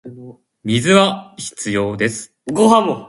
水は必要です